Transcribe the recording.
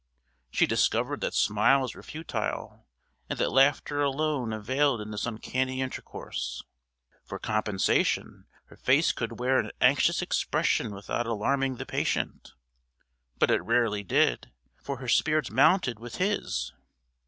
She discovered that smiles were futile, and that laughter alone availed in this uncanny intercourse. For compensation, her face could wear an anxious expression without alarming the patient. But it rarely did, for her spirits mounted with his.